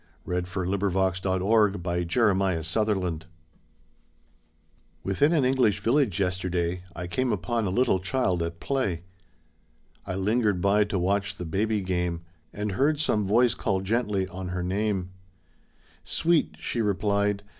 Death and his angels cry, "Stand by ^ THE SAD YEARS NORA WTHIN an English village yesterday I came upon a little child at play. I lingered by to watch the baby game, And heard some voice call gently on her name. Sweet she replied.